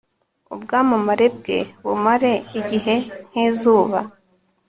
ubwamamare bwe bumare igihe nk'izuba